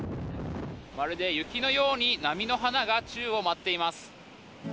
まるで雪のように、波の花が宙を舞っています。